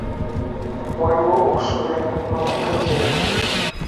Waliwo okusobya n'okukekeya.